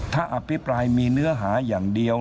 ถ้าอภิปรายมีเนื้อหาอย่างเดียว